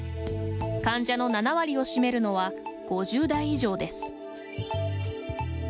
患者の７割を占めるのは５０代以上です。